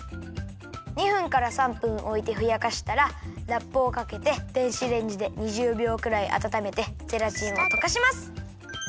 ２分から３分おいてふやかしたらラップをかけて電子レンジで２０びょうくらいあたためてゼラチンをとかします。